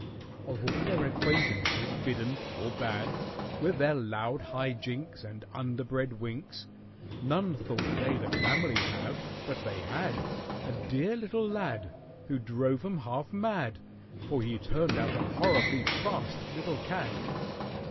Of all their acquaintances bidden (or bad) With their loud high jinks And underbred winks, None thought they'd a family have—but they had; A dear little lad Who drove 'em half mad, For he turned out a horribly fast little cad.